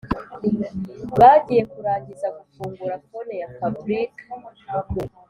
bagiye kurangiza gufungura phone ya fabric